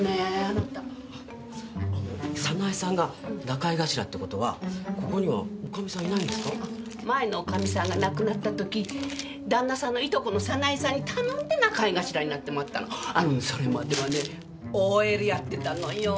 あなた早苗さんが仲居頭ってことはここには女将さんいないんですか前の女将さんが亡くなった時旦那さんのいとこの早苗さんに頼んで仲居頭になってもらったのそれまではねＯＬやってたのよ